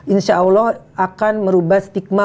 insya allah akan merubah stigma